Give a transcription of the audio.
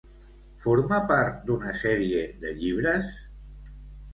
Forma part d'una sèrie de llibres?